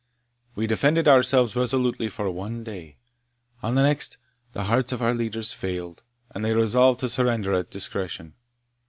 We defended ourselves resolutely for one day. On the next, the hearts of our leaders failed, and they resolved to surrender at discretion.